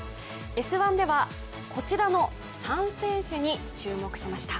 「Ｓ☆１」ではこちらの３選手に注目しました。